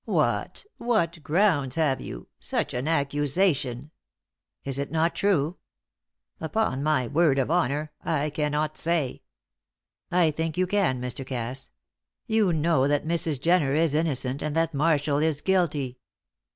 "What what grounds have you such an accusation " "Is it not true?" "Upon my word of honour, I cannot say." "I think you can, Mr. Cass. You know that Mrs. Jenner is innocent and that Marshall is guilty."